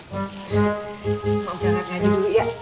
mau beli angkat ngaji dulu ya